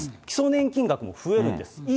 基礎年金額も増えるんです。